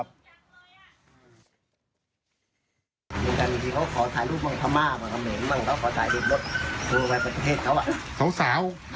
เขาขอถ่ายรูปให้ท่าแม่หรือขอถ่ายรูปรถ